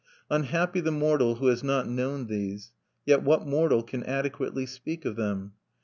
Unhappy the mortal who has not known these; yet what mortal can adequately speak of them!